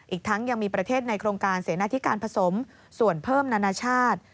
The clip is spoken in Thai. อีกทั้งยังมีประเทศในโครงการเสนาธิการผสมส่วนเพิ่มนานาชาติ